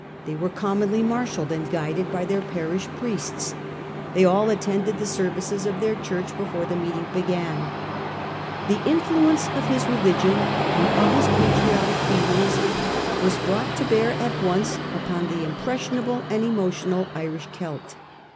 They were commonly marshalled and guided hy their parish priests. They all attended the services of their Church before the meeting began. The influence of his religion and of his patriotic feelings was brought to bear at once upon the impressionable and emotional Irish Celt.